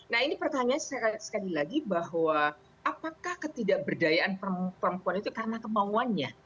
nah ini pertanyaan sekali lagi bahwa apakah ketidakberdayaan perempuan itu karena kemauannya